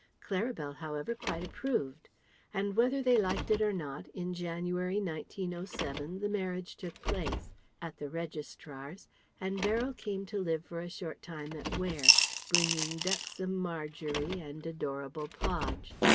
Claribel, however, quite approved. And whether they liked it or not, in January, 1907, the marriage took place at the Registrar's and Beryl came to live for a short time at Ware, bringing ducksome Margery and adorable Podge.